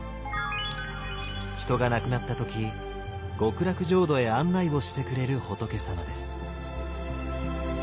人が亡くなった時極楽浄土へ案内をしてくれる仏様です。